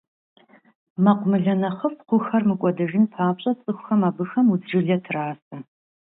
Мэкъумылэ нэхъыфӀ хъухэр мыкӀуэдыжын папщӀэ, цӀыхухэм абыхэм удз жылэ трасэ.